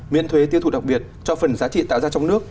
miễn thuế tiêu thụ đặc biệt cho phần giá trị tạo ra trong nước